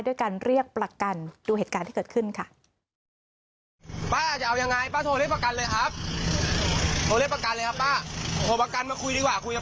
ด้วยการเรียกประกันดูเหตุการณ์ที่เกิดขึ้นค่ะ